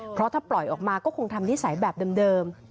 เพราะถ้าปล่อยออกมาก็คงทำนิสัยแบบเดิม